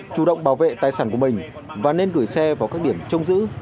chủ động bảo vệ tài sản của mình và nên gửi xe vào các điểm trông giữ